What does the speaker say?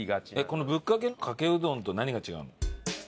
このぶっかけかけうどんと何が違うの？